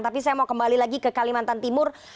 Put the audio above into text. tapi saya mau kembali lagi ke kalimantan timur